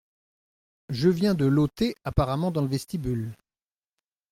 Je viens de l’ôter apparemment dans le vestibule.